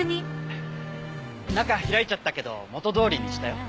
中開いちゃったけど元どおりにしたよ。